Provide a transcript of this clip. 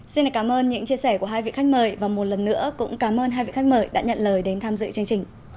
xin cảm ơn những chia sẻ của hai vị khách mời và một lần nữa cũng cảm ơn hai vị khách mời đã nhận lời đến tham dự chương trình